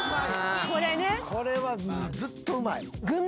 これはずっとうまい。